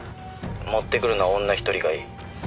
「持ってくるのは女一人がいい」